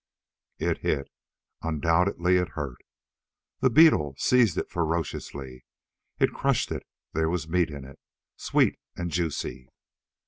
It hit. Undoubtedly, it hurt. The beetle seized it ferociously. It crushed it. There was meat in it, sweet and juicy.